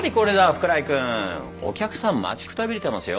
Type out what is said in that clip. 福来君お客さん待ちくたびれてますよ。